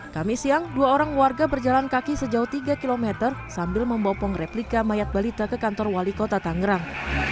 kami siang dua orang warga berjalan kaki sejauh tiga km sambil membopong replika mayat balita ke kantor wali kota tangerang